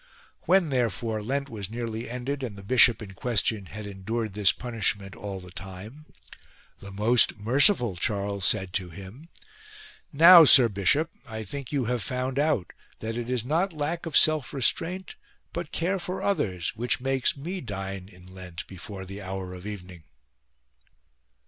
When therefore Lent was nearly ended, and the bishop in question had endured this punishment all the time, the most merciful Charles said to him :" Now, sir bishop, I think you have found out that it is not lack of self restraint but care for others which makes me dine in Lent before the hour of evening."